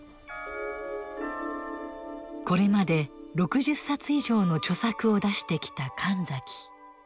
これまで６０冊以上の著作を出してきた神崎。